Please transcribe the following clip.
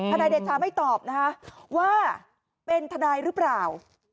ท่านไอนเดช่าไม่ตอบนะคะว่าเป็นท่านายหรือเปล่า